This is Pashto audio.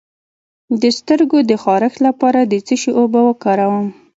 د سترګو د خارښ لپاره د څه شي اوبه وکاروم؟